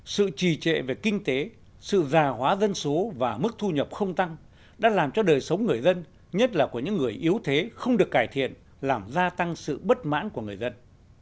sự trì trệ về kinh tế sự già hóa dân số và mức thu nhập không tăng đã làm cho đời sống người dân nhất là của những người yếu thế không được cải thiện làm gia tăng sự bất mãn của người dân